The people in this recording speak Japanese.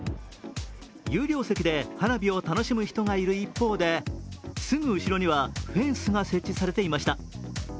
有料席で花火を楽しむ人がいる一方ですぐ後ろにはフェンスが設置されていました。